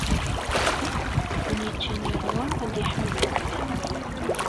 Win yeččan yeṛwa ad yeḥmed Ṛebbi.